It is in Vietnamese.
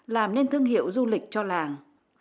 làm nên thương hiệu du lịch cho làng